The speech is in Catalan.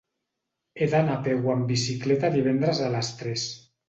He d'anar a Pego amb bicicleta divendres a les tres.